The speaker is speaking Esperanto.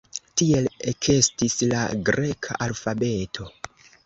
Tiel ekestis la greka alfabeto.